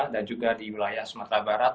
dan juga di wilayah sumatera barat